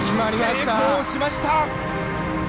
成功しました！